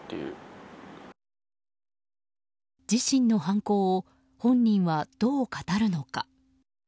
自身の犯行を本人はどう語るのか。